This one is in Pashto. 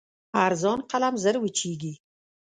ارزان قلم ژر وچېږي.